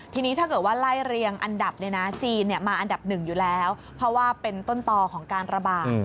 ทีนี้ถ้าเกิดว่าไล่เรียงอันดับจีนมาอันดับหนึ่งอยู่แล้วเพราะว่าเป็นต้นต่อของการระบาด